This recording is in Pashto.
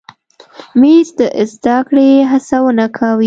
مېز د زده کړې هڅونه کوي.